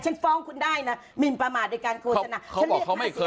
ฟ้องคุณได้นะหมินประมาทโดยการโฆษณา